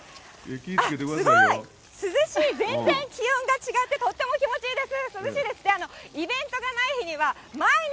あっ、すごい、涼しい、全然気温が違って、とっても気持ちいいです。